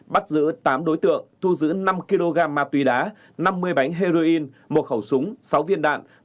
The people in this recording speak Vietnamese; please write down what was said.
bắt giữ tám đối tượng thu giữ năm kg ma túy đá năm mươi bánh heroin một khẩu súng sáu viên đạn